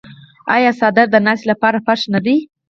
آیا څادر د ناستې لپاره فرش نه دی؟